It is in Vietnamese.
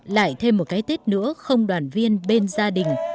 lại thêm một cái tết nữa không đoàn viên bên gia đình